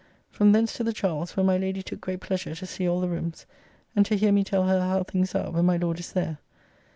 From thence to the Charles, where my lady took great pleasure to see all the rooms, and to hear me tell her how things are when my Lord is there.